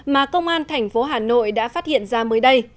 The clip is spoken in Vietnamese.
mà công an thành phố hà nội đã phát hiện ra mới đây